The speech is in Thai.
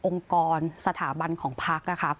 องค์กรสถาบันของพัก